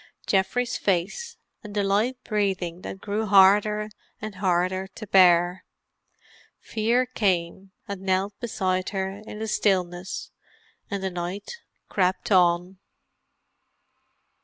Geoffrey's face, and the light breathing that grew harder and harder to bear. Fear came and knelt beside her in the stillness, and the night crept on.